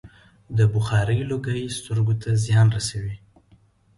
د بخارۍ لوګی سترګو ته زیان رسوي.